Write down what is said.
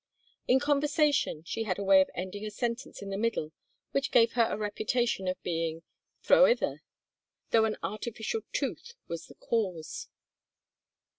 In conversation she had a way of ending a sentence in the middle which gave her a reputation of being "thro'ither," though an artificial tooth was the cause.